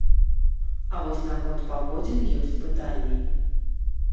А вось наконт паводзін ёсць пытанні.